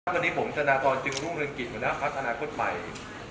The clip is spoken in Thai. วันนี้ผมจนากรจึงร่วงเรียนกิจกับนักพัฒนาคตใหม่